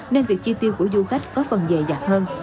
nên việc chi tiêu của du khách có phần dài dạt hơn